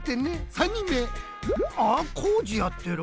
３にんめあっこうじやってる。